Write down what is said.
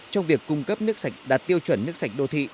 trong việc cung cấp nước sạch đạt tiêu chuẩn nước sạch đô thị